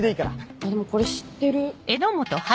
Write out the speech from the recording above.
あっでもこれ知ってる。